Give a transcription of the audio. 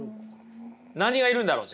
何がいるんだろう？